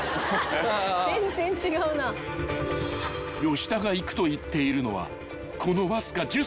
［吉田が行くと言っているのはこの］